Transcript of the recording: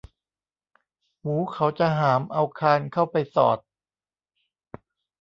หมูเขาจะหามเอาคานเข้าไปสอด